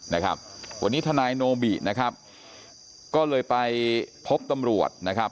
นะครับวันนี้ทนายโนบินะครับก็เลยไปพบตำรวจนะครับ